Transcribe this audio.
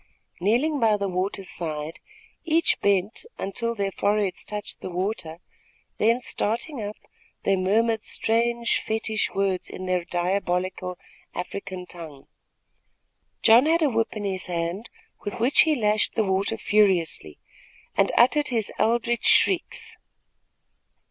Kneeling by the water's side, each bent until their foreheads touched the water, then, starting up, they murmured strange fetich words in their diabolical African tongue. John had a whip in his hand, with which he lashed the water furiously, and uttered his eldritch shrieks.